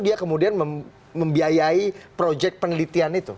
dia kemudian membiayai proyek penelitian itu